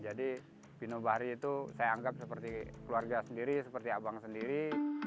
jadi pino bahari itu saya anggap seperti keluarga sendiri seperti abang sendiri